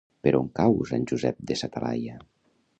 Per on cau Sant Josep de sa Talaia?